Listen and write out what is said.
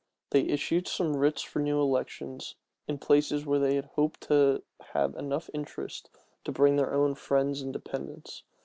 They issued some writs for new elections, in places where they hoped to have interest enough to bring in their own friends and dependents.